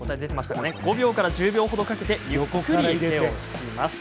５秒から１０秒程かけてゆっくり手を引きます。